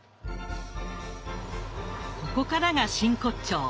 ここからが真骨頂。